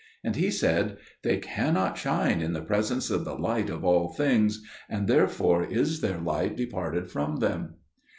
And he said, "They cannot shine in the presence of the Light of all things: therefore is their light departed from them."